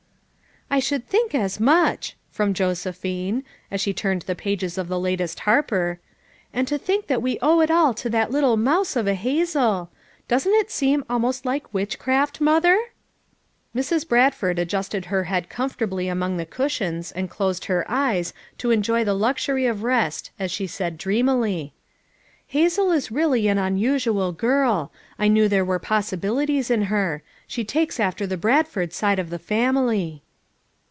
"I should think as much!" from Josephine, as she turned the pages of the latest Harper, "and to think that we owe it all to that little mouse of a Hazel ! Doesn't it seem almost like witchcraft, Mother?" Mrs. Bradford adjusted her head comfort ably among the cushions and closed her eyes to enjoy the luxury of rest as she said dreamily: "Hazel is really an unusual girl; I knew there were possibilities in her; she takes after the Bradford side of the family."